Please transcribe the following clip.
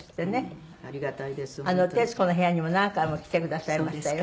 『徹子の部屋』にも何回も来てくださいましたよ。